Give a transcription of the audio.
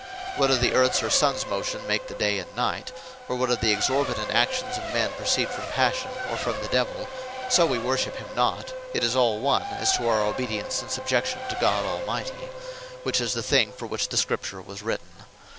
Whether the Earths, or Suns motion make the day, and night; or whether the Exorbitant actions of men, proceed from Passion, or from the Divell, (so we worship him not) it is all one, as to our obedience, and subjection to God Almighty; which is the thing for which the Scripture was written.